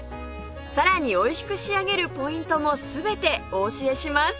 さらにおいしく仕上げるポイントも全てお教えします